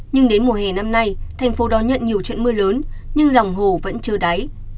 nhưng đến mùa hè năm nay thành phố đón nhận nhiều trận mưa lớn nhưng lòng hồ vẫn trơ đáy